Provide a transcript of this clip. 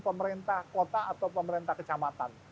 pemerintah kota atau pemerintah kecamatan